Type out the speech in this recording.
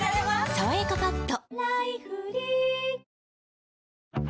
「さわやかパッド」